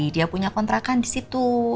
dia punya kontrakan di situ